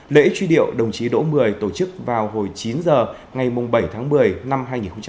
lễ truy điệu đồng chí đỗ mười tổ chức vào hồi chín h ngày bảy tháng một mươi năm hai nghìn một mươi chín